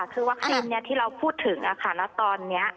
คือวัคซีนที่เราพูดถึงแล้วตอนนี้